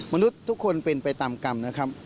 มนุษย์ทุกคนเป็นไปตามกรรมนะครับ